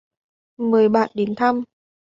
Mời bạn đến thăm.